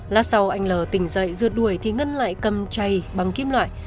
lát sau anh lờ tỉnh dậy rượt đuổi thì ngân lại cầm chay bằng kim loại